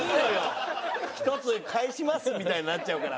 「１つ返します」みたいになっちゃうから。